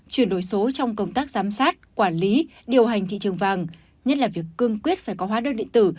chuyển đổi số trong công tác giám sát quản lý điều hành thị trường vàng nhất là việc cương quyết phải có hóa đơn điện tử